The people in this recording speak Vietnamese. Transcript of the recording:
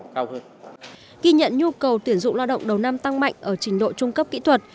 ghi nhận nhu cầu tuyển dụng lao động đầu năm tăng mạnh ở trình độ trung cấp kỹ thuật